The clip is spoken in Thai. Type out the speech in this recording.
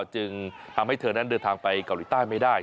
จึงทำให้เธอนั้นเดินทางไปเกาหลีใต้ไม่ได้